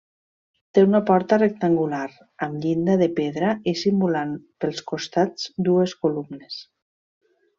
Té una porta rectangular, amb llinda de pedra i simulant pels costats dues columnes.